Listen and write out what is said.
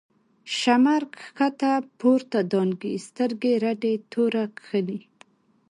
” شمر” ښکته پورته دانگی، سترگی رډی توره کښلی